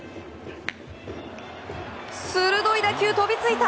鋭い打球、飛びついた！